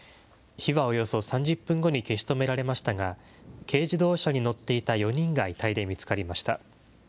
火はおよそ３０分後に消し止められましたが、軽自動車に乗っていた４人が遺体で見つかりました。